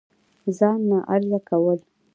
ځان ناغرضه كول